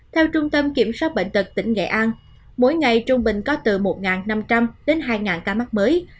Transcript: theo trung tâm kiểm soát bệnh tật tỉnh nghệ an mỗi ngày trung bình có từ một năm trăm linh đến hai ca mắc mới